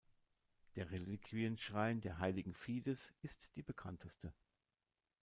Der Reliquienschrein der heiligen Fides ist die bekannteste.